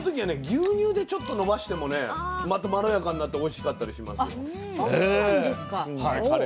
牛乳でちょっとのばしてもねまたまろやかになっておいしかったりしますよ。